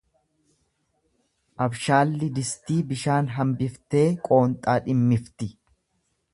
Abshaalli distii bishaan hambiftee qoonxaa dhimmifti.